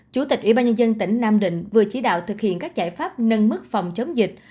chủ tịch ủy ban nhân dân tỉnh nam định vừa chỉ đạo thực hiện các giải pháp nâng mức phòng chống dịch